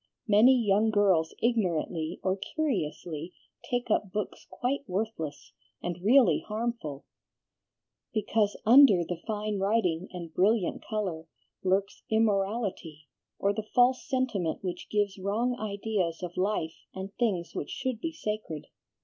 Many young girls ignorantly or curiously take up books quite worthless, and really harmful, because under the fine writing and brilliant color lurks immorality or the false sentiment which gives wrong ideas of life and things which should be sacred.